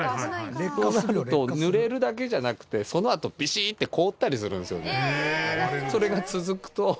そうすると濡れるだけじゃなくてそのあとビシッて凍ったりするんですよね。